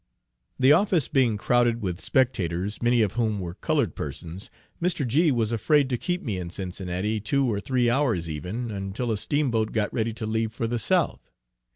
The office being crowded with spectators, many of whom were colored persons, Mr. G. was afraid to keep me in Cincinnati, two or three hours even, until a steamboat got ready to leave for the South.